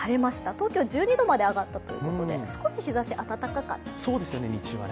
東京１２度まで上がったということで、少し日ざし暖かかったですよね。